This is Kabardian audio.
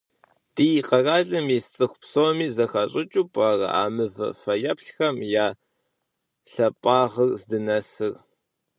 Ди къэралым ис цIыху псоми зэхащIыкIыу пIэрэ а мывэ фэеплъхэм я лъапIагъыр здынэсыр?